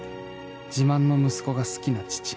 自慢の息子が好きな父